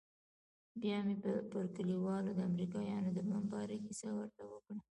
بيا مې پر کليوالو د امريکايانو د بمبارۍ کيسه ورته وکړه.